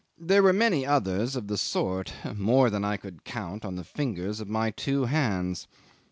There were many others of the sort, more than I could count on the fingers of my two hands.